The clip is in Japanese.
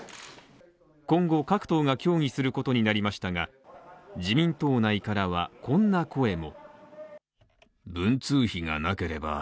今後各党が協議することになりましたが、自民党内からはこんな声も。